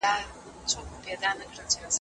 د نجونو ښوونه ګډ هدفونه اسانه کوي.